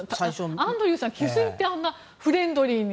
アンドリューさん、気づいてあんなフレンドリーに。